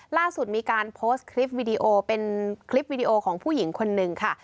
ล่าสุดมีการโพสต์คลิปวิดีโอเป็นคลิปวิดีโอของผู้หญิงคนหนึ่งค่ะ